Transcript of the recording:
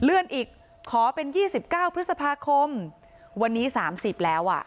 เลื่อนอีกขอเป็นยี่สิบเก้าพฤษภาคมวันนี้สามสิบแล้วอ่ะ